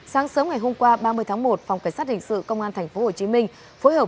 sáng sớm ngày hôm qua ba mươi tháng một phòng cảnh sát hình sự công an tp hcm phối hợp